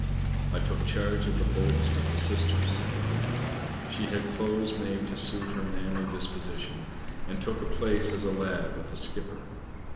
" I took charge of the boldest of the sisters," said the wind. " She had clothes made to suit her manly disposition, and took a place as a lad with a skipper.